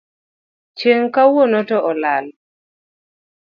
Chieng' kowuok to olal.